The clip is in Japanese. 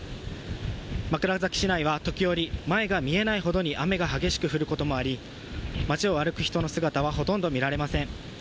枕崎市内は時折前が見えないほどに雨が激しく降ることもあり街を歩く人の姿はほとんど見られません。